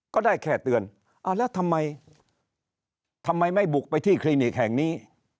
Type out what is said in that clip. ก็ได้แค่เตือนแล้วทำไมทำไมไม่บุกไปที่คลินิกแห่งนี้